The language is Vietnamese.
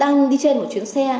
đã đi trên một chuyến xe